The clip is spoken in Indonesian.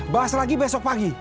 bahas lagi besok pagi